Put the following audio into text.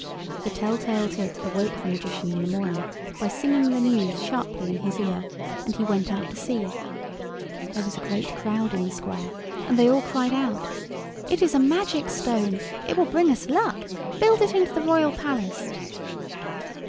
The tell tale tit awoke the Magician in the morning by singing the news sharply in his ear, and he went out to see. There was a great crowd in the Square, and they all cried out— "It is a magic stone. It will bring us luck. Build it into the royal Palace."